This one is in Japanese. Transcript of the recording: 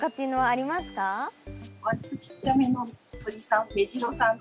わりとちっちゃめの鳥さん